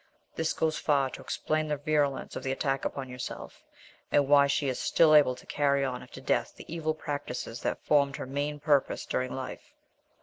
This goes far to explain the virulence of the attack upon yourself, and why she is still able to carry on after death the evil practices that formed her main purpose during life."